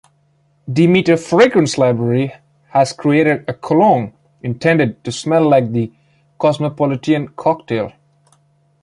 Demeter Fragrance Library has created a cologne intended to smell like the cosmopolitan cocktail.